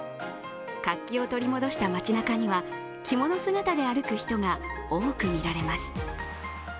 活気を取り戻した街なかには、着物姿で歩く人が多く見られます。